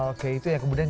oke itu ya kemudian